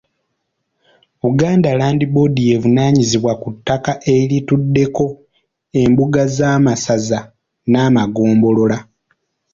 Buganda Land Board y'evunaanyizibwa ku ttaka erituddeko embuga z’amasaza n’amagombolola.